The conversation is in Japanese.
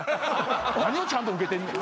何をちゃんとウケてんねん。